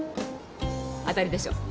当たりでしょ？